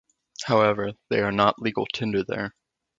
However, they are not legal tender there.